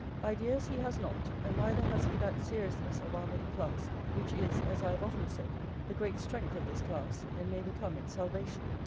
Ideas he has not, and neither has he that seriousness of our middle class, which is, as I have often said, the great strength of this class, and may become its salvation.